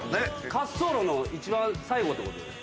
滑走路の一番最後ってこと。